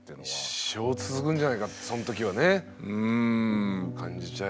一生続くんじゃないかってその時はね。うん。感じちゃうよね。